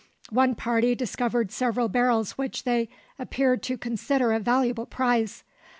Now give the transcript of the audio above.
One party discovered several barrels which they appeared to consider a valuable prize.